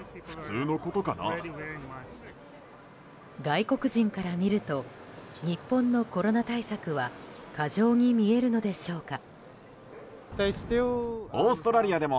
外国人から見ると日本のコロナ対策は過剰に見えるのでしょうか？